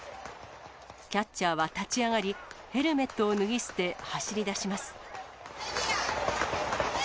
キャッチャーは立ち上がり、ヘルメットを脱ぎ捨て走りだします。